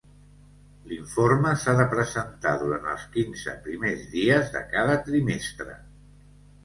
L'informe s'ha de presentar durant els quinze primers dies de cada trimestre.